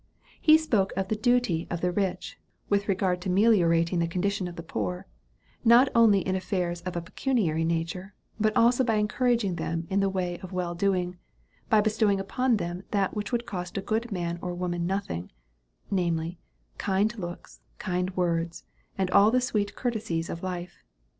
He spoke of the duty of the rich, with regard to meliorating the condition of the poor, not only in affairs of a pecuniary nature, but also by encouraging them in the way of well doing, by bestowing upon them that which would cost a good man or woman nothing, namely, kind looks, kind words, and all the sweet courtesies of life.